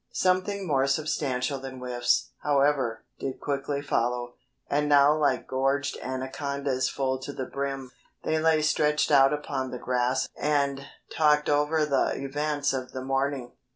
Something more substantial than whiffs, however, did quickly follow, and now like gorged anacondas full to the brim, they lay stretched out upon the grass and talked over the events of the morning.